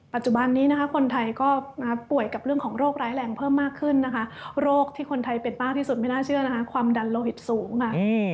ปัจจุบันนี้นะคะคนไทยก็มาป่วยกับเรื่องของโรคร้ายแรงเพิ่มมากขึ้นนะคะโรคที่คนไทยเป็นมากที่สุดไม่น่าเชื่อนะคะความดันโลหิตสูงค่ะ